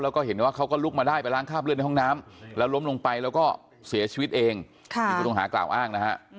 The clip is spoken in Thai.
แล้วก็เห็นว่าเขาก็ลุกมาได้ไปล้างคราบเลือดในห้องน้ำและล้มลงไปแล้วก็เสียชีวิตเอง